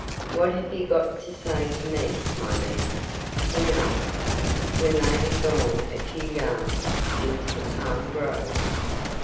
"What have you got to say to me, my man?" he asked, when they had gone a few yards into the palm grove.